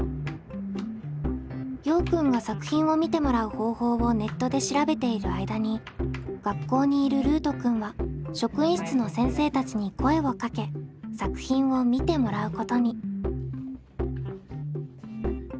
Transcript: ようくんが作品を見てもらう方法をネットで調べている間に学校にいるルートくんは職員室の先生たちに声をかけ作品を見てもらうことに。